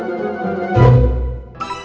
tunggu aku mau ke toilet